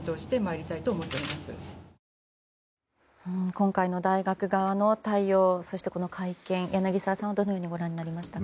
今回の大学側の対応そしてこの会見、柳澤さんはどのようにご覧になりましたか？